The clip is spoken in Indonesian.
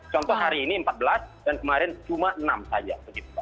contoh hari ini empat belas dan kemarin cuma enam saja